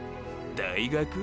大学？